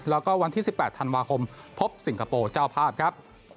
แล้วก็วันที่๑๘ธันวาคมพบสิงคโปร์เจ้าภาพครับ